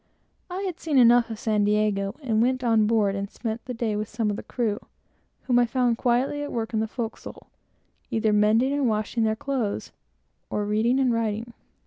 I had seen enough of San Diego, and went on board and spent the day with some of the crew, whom I found quietly at work in the forecastle, mending and washing their clothes, and reading and writing.